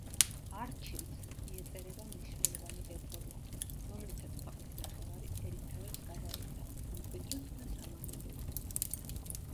არჩილს მიეწერება მნიშვნელოვანი რეფორმა, რომლითაც ქვეყნის ნახევარი ერისთავებს გადაეცა სამკვიდროდ და სამამულოდ.